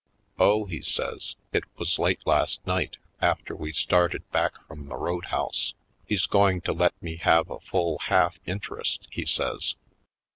"Oh," he says, "it was late last night — after we started back from the road house. He's going to let me have a full half in terest," he says.